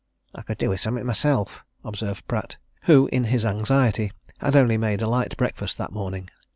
"I could do with something myself," observed Pratt, who, in his anxiety, had only made a light breakfast that morning.